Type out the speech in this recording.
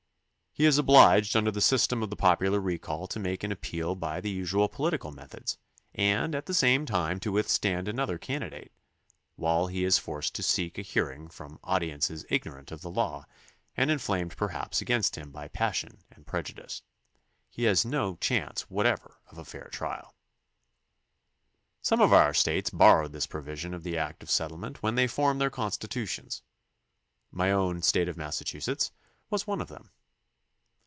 He is obliged under the system of the pop ular recall to make an appeal by the usual political methods and at the same time to withstand another candidate, while he is forced to seek a hearing from audiences ignorant of the law and inflamed perhaps against him by passion and prejudice. He has no chance whatever of a fair trial. 74 THE CONSTITUTION AND ITS MAKERS Some of our States borrowed this provision of the act of settlement when they formed their constitu tions. My own State of Massachusetts was one of them.